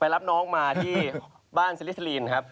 ไปรับน้องมาที่บ้านเสร็จเรียนครับ